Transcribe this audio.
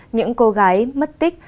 những cô gái mất tích